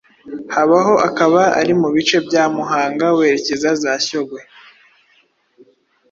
habaho akaba ari mu bice bya Muhanga werekeza za Shyogwe.